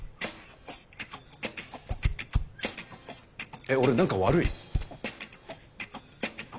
えっ俺なんか悪い？